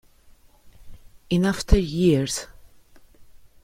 In After Years